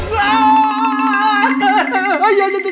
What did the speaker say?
ด่าพ่อเย้ระแยะร้าย